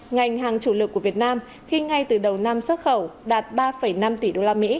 ngành hàng chủ lực của việt nam khi ngay từ đầu năm xuất khẩu đạt ba năm tỷ usd